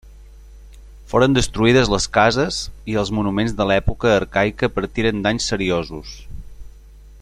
Foren destruïdes les cases, i els monuments de l'època arcaica patiren danys seriosos.